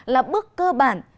là bước cơ bản